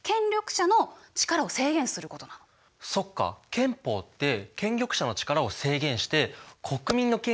憲法って権力者の力を制限して国民の権利を守ってくれるんだ。